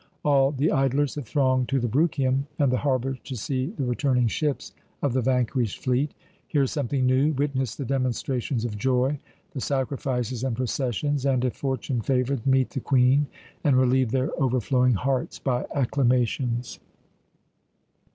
All the idlers had thronged to the Bruchium and the harbour to see the returning ships of the vanquished fleet, hear something new, witness the demonstrations of joy, the sacrifices and processions, and if Fortune favoured meet the Queen and relieve their overflowing hearts by acclamations.